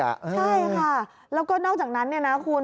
ใช่ค่ะแล้วก็นอกจากนั้นเนี่ยนะคุณ